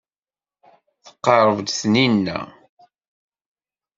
Tqerreb-d Taninna.